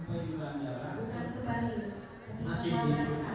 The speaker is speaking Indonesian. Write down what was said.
seragam dari kepadanya